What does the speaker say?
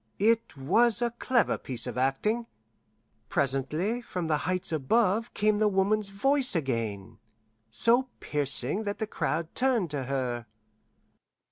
It was a clever piece of acting. Presently from the Heights above came the woman's voice again, so piercing that the crowd turned to her.